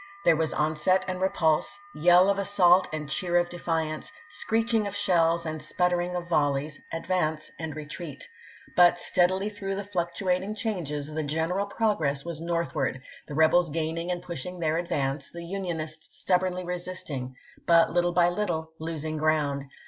There was onset and repulse, yell of assault and cheer of defiance, screeching of shells and sputtering of volleys, ad vance and retreat. But steadily through the fluc tuating changes the general progress was northward, the rebels gaining and pushing their advance, the Unionists stubbornly resisting, but little by little losing ground.